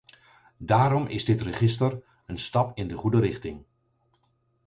Daarom is dit register een stap in de goede richting.